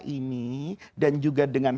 ini dan juga dengan